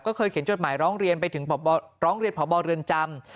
ก็เคยเขียนจดหมายร้องเรียนไปถึงร้องเรียนพบเรือนจำ